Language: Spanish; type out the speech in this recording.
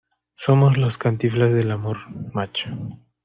somos los Cantinflas del amor, macho.